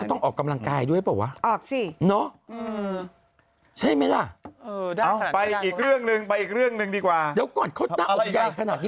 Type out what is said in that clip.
รองประธานคือรักษาการอยู่ป่ะ